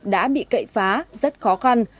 đã bị cậy phá rất khó khăn